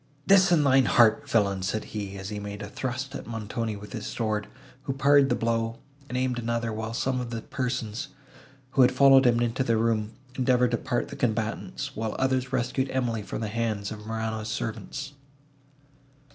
"This in thine heart, villain!" said he, as he made a thrust at Montoni with his sword, who parried the blow, and aimed another, while some of the persons, who had followed him into the room, endeavoured to part the combatants, and others rescued Emily from the hands of Morano's servants.